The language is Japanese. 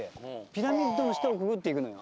ピラミッドの下をくぐっていくのよ。